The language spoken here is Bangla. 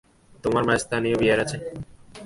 তোমার কাছে স্থানীয় বিয়ার আছে?